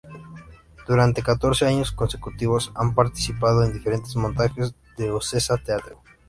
Durante catorce años consecutivos ha participado en diferentes montajes de Ocesa Teatro.